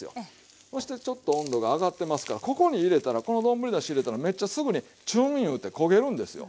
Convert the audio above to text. そしてちょっと温度が上がってますからここに入れたらこの丼だし入れたらめっちゃすぐにちゅんいうて焦げるんですよ。